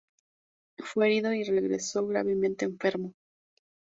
Fue herido y regresó gravemente enfermo.